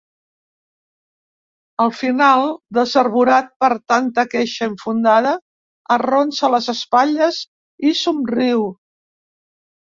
Al final, desarborat per tanta queixa infundada, arronsa les espatlles i somriu.